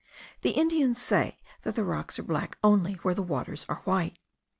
The Indians say, that the rocks are black only where the waters are white.